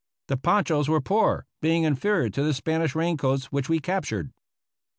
The ponchos were poor, being inferior to the Spanish rain coats which we captured.